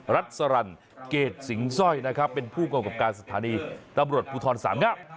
รัฐสรรรค์เกรดสิงซ่อยเป็นผู้ประกอบการสถานีตำรวจภูทธรสามงาน